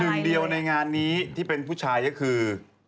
หนึ่งเดียวในงานนี้ที่เป็นผู้ชายก็คือ